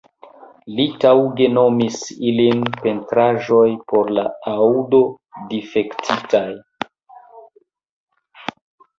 Li taŭge nomis ilin "Pentraĵoj por la Aŭdo-Difektitaj.